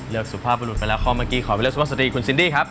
สุภาพบุรุษไปแล้วก็เมื่อกี้ขอไปเลือกสุภาพสตรีคุณซินดี้ครับ